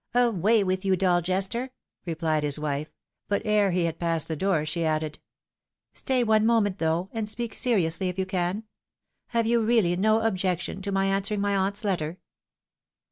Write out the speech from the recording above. " Away with you, dull jester !" replied his wife ; but ere he had passed the door she added, " Stay one moment, though, and speak seriously, if you can. Have you really no objection to my answering my aunt's letter